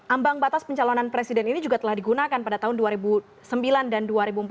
ambang batas pencalonan presiden ini juga telah digunakan pada tahun dua ribu sembilan dan dua ribu empat belas